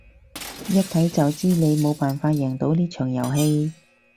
一睇就知你冇辦法贏到呢場遊戲